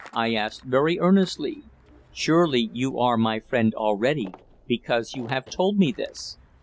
I asked very earnestly. "Surely you are my friend already, because you have told me this!"